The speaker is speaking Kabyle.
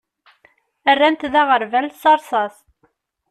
Rran-t d aɣerbal s rrsas.